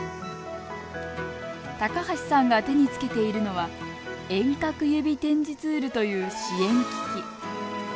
高橋さんが手につけているのは遠隔指点字ツールという支援機器。